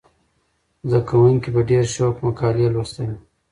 زده کوونکي په ډېر شوق مقالې لوستلې.